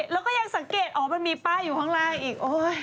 แล้วก็ยังสังเกตออกว่ามีป้ายอีกว๊าย